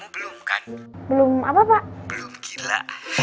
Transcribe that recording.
belum apa pak belum gila